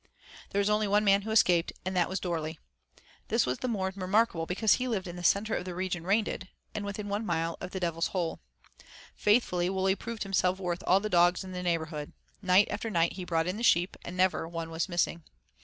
There was only one man who escaped, and that was Dorley. This was the more remarkable because he lived in the centre of the region raided, and within one mile of the Devil's Hole. Faithful Wully proved himself worth all the dogs in the neighborhood. Night after night he brought in the sheep, and never one was missing.